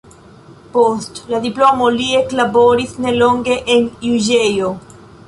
Post la diplomo li eklaboris nelonge en juĝejo.